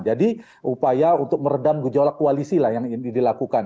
jadi upaya untuk meredam gejolak koalisi lah yang ini dilakukan